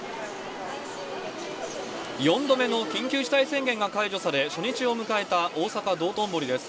４度目の緊急事態宣言が解除され、初日を迎えた大阪・道頓堀です。